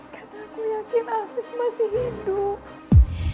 karena aku yakin afif masih hidup